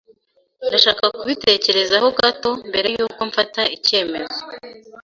Ndashaka kubitekerezaho gato mbere yuko mfata icyemezo.